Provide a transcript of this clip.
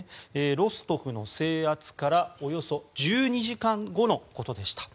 ロストフの制圧からおよそ１２時間後のことでした。